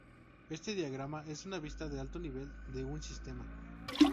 Este diagrama es una vista de alto nivel de un sistema.